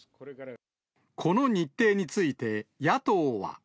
この日程について、野党は。